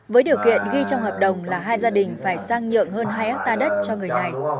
với điều kiện ghi trong hợp đồng là hai gia đình phải sang nhượng hơn hai hectare đất cho người này